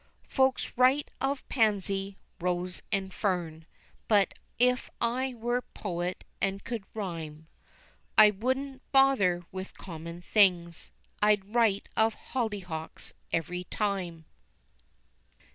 Folks write of pansy, rose, and fern, But if I was a poet an' could rhyme, I wouldn't bother with common things, I'd write of hollyhocks, every time.